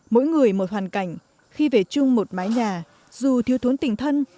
mỗi người một hoàn cảnh khi về chung một mái nhà dù thiếu thốn tình thân